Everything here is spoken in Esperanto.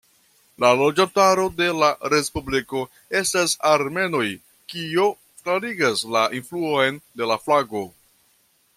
La loĝantaro de la respubliko estas armenoj kio klarigas la influon de la flago.